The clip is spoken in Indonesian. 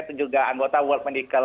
dan juga ada juga anggota world medical law